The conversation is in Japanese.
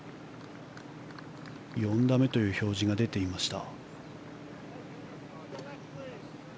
４打目という表示が出ていました。